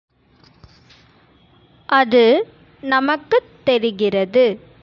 அது நமக்குத் தெரிகிறது.